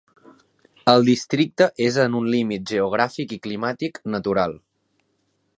El districte és en un límit geogràfic i climàtic natural.